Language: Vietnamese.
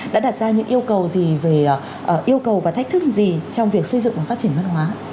đã đặt ra những yêu cầu và thách thức gì trong việc xây dựng và phát triển văn hóa